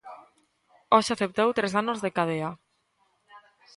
Hoxe aceptou tres anos de cadea.